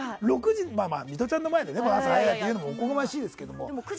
ミトちゃんの前で朝早いって言うのもおこがましいですけど。